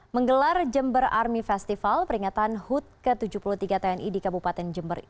menggelar jember army festival peringatan hud ke tujuh puluh tiga tni di kabupaten jember